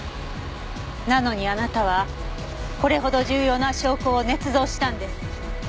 なのにあなたはこれほど重要な証拠を捏造したんです。